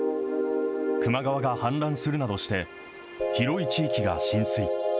球磨川が氾濫するなどして、広い地域が浸水。